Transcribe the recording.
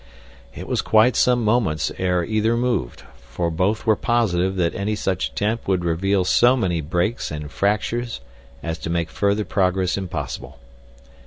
It was quite some moments ere either moved, for both were positive that any such attempt would reveal so many breaks and fractures as to make further progress impossible.